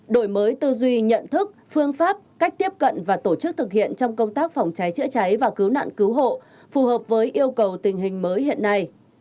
đổi mới tư duy nhận thức phương pháp cách tiếp cận và tổ chức thực hiện trong công tác phòng cháy chữa cháy và cứu nạn cứu hộ phù hợp với yêu cầu tình hình mới hiện nay